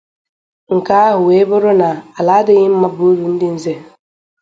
Nke ahụ wee bụrụ na ala adịghị mma bụ úrù ndị nze